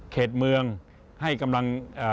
เขตเมืองให้กำลัง